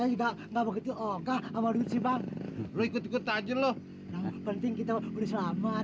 saya juga nggak begitu oh kak ama duit si bang berikut ikut aja loh penting kita berdua selamat